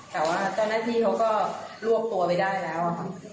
แต่ว่าเจ้าหน้าที่เขาก็รวบตัวไปได้แล้วค่ะ